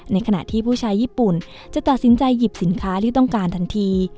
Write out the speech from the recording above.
ในขณะที่ผู้ชายญี่ปุ่นจะตัดสินใจหยิบสินค้าที่ต้องการทันที